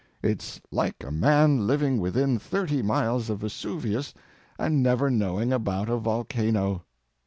It's like a man living within thirty miles of Vesuvius and never knowing about a volcano.